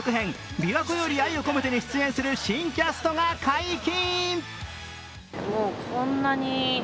「琵琶湖より愛をこめて」に出演する新キャストが解禁。